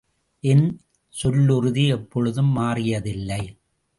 என் சொல்லுறுதி எப்பொழுதும் மாறியதில்லை.